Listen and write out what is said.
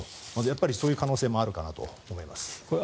やっぱりそういう可能性もあるかと思います。